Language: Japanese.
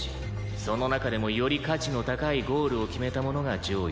「その中でもより価値の高いゴールを決めた者が上位です」